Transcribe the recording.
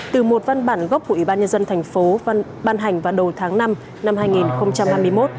từ một văn bản gốc của ủy ban nhân dân thành phố ban hành vào đầu tháng năm năm hai nghìn hai mươi một